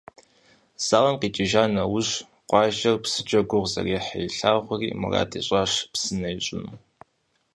Зауэм къикӏыжа нэужь, къуажэр псыкӏэ гугъу зэрехьыр илъагъури, мурад ищӏащ псынэ ищӏыну.